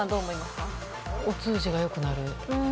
お通じが良くなる。